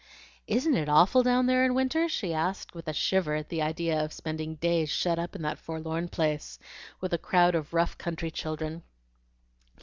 "Isn't it awful down there in winter?" she asked, with a shiver at the idea of spending days shut up in that forlorn place, with a crowd of rough country children.